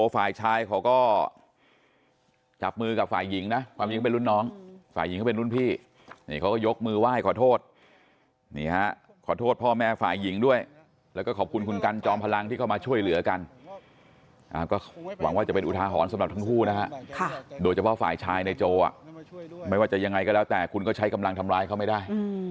ฝ่ายหญิงเขาเป็นรุ่นพี่นี่เขาก็ยกมือไหว้ขอโทษนี่ฮะขอโทษพ่อแม่ฝ่ายหญิงด้วยแล้วก็ขอบคุณคุณกันจอมพลังที่เข้ามาช่วยเหลือกันอ่าก็หวังว่าจะเป็นอุทาหรณ์สำหรับทั้งคู่นะฮะค่ะโดยเฉพาะฝ่ายชายในโจอ่ะไม่ว่าจะยังไงก็แล้วแต่คุณก็ใช้กำลังทำลายเขาไม่ได้